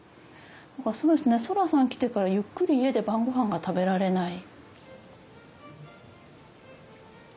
だからそうですねそらさん来てからゆっくり家で晩ごはんが食べられない。